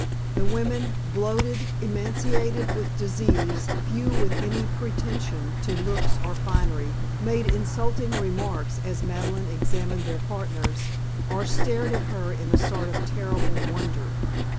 The women, bloated, emaciated with disease, few with any pretension to looks or finery, made insulting remarks as Madeleine examined their partners, or stared at her in a sort of terrible wonder.